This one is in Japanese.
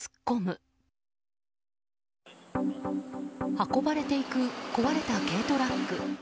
運ばれていく壊れた軽トラック。